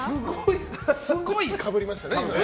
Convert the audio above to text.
すごいかぶりましたね、今ね。